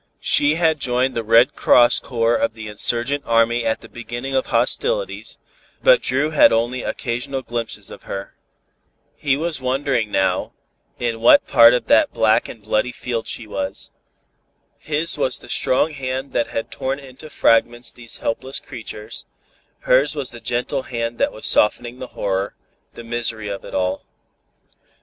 She had joined the Red Cross Corps of the insurgent army at the beginning of hostilities, but Dru had had only occasional glimpses of her. He was wondering now, in what part of that black and bloody field she was. His was the strong hand that had torn into fragments these helpless creatures; hers was the gentle hand that was softening the horror, the misery of it all.